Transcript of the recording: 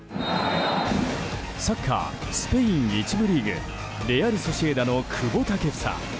サッカー、スペイン１部リーグレアル・ソシエダの久保建英。